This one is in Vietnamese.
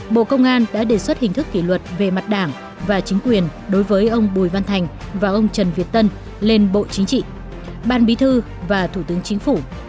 bộ công an đã đề xuất hình thức kỷ luật về mặt đảng và chính quyền đối với ông bùi văn thành và ông trần việt tân lên bộ chính trị ban bí thư và thủ tướng chính phủ